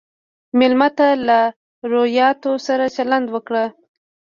مېلمه ته له روایاتو سره چلند وکړه.